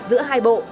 giữa hai bộ